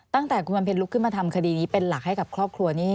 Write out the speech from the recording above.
ตั้งแต่คุณวันเพ็ญลุกขึ้นมาทำคดีนี้เป็นหลักให้กับครอบครัวนี้